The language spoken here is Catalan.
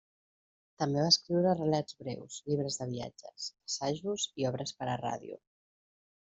També va escriure relats breus, llibres de viatges, assajos i obres per a ràdio.